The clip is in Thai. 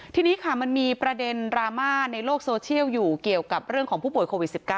ทีนี้ค่ะมันมีประเด็นดราม่าในโลกโซเชียลอยู่เกี่ยวกับเรื่องของผู้ป่วยโควิด๑๙